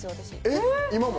えっ今も？